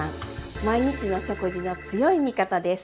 毎日の食事の強い味方です！